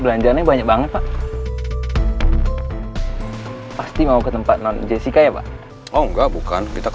belanjaannya banyak banget pak pasti mau ke tempat non jessica ya pak oh enggak bukan kita